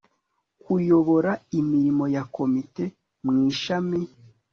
Kuyobora imirimo ya komite mu ishami